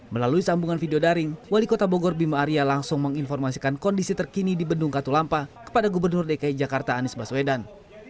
melalui sambungan video daring wali kota bogor bima arya langsung menginformasikan kondisi terkini di bendung katulampa kepada gubernur dki jakarta anies baswedan